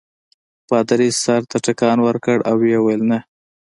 پادري سر ته ټکان ورکړ او ویې ویل نه.